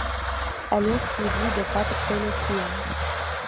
Elle est suivie de quatre téléfilms.